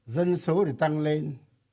dân số thì tăng lên